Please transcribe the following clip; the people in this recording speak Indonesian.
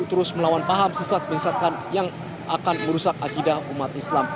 terus melawan paham sesat menyesatkan yang akan merusak akidah umat islam